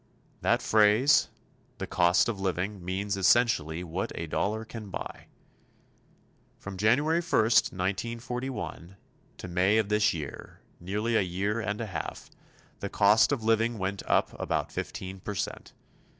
That phrase, "the cost of living," means essentially what a dollar can buy. From January 1, 1941, to May of this year, nearly a year and a half, the cost of living went up about 15 percent.